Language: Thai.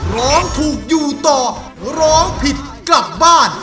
ร้องถูกอยู่ต่อร้องผิดกลับบ้าน